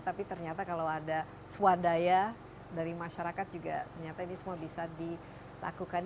tapi ternyata kalau ada swadaya dari masyarakat juga ternyata ini semua bisa dilakukan